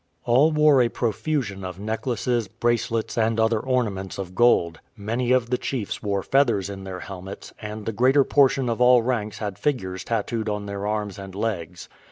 All wore a profusion of necklaces, bracelets, and other ornaments of gold; many of the chiefs wore feathers in their helmets, and the greater portion of all ranks had figures tattooed on their arms and legs.